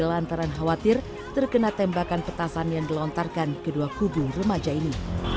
lantaran khawatir terkena tembakan petasan yang dilontarkan kedua kubu remaja ini